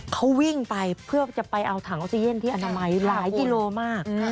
เขาวิ่งไปเพื่อจะไปเอาถังออกซิเจนที่อนามัยหลายกิโลมาก